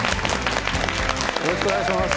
よろしくお願いします。